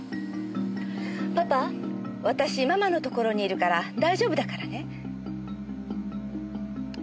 パパ私ママのところにいるから大丈夫だからね。